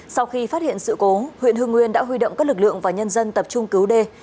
sau khi phát hiện sự cố huyện hương nguyên đã huy động các lực lượng và nhân dân tập trung cứu đê